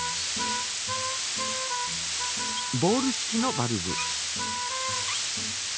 ボール式のバルブ。